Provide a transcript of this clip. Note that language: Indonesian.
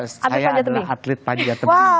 saya adalah atlet panjatemi